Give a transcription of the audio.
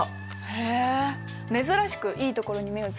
へえ珍しくいいところに目をつけましたね。